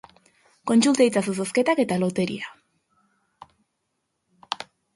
Kontsulta itzazu zozketak eta loteria.